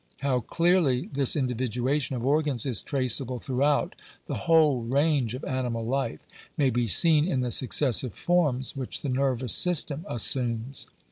How clearly this individuation of organs is traceable throughout the whole range of animal life, may be seen in the successive forms which the nervous system assumes.